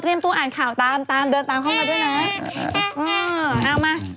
เตรียมตัวอ่านข่าวตามตามเดินตามเข้ามาด้วยนะ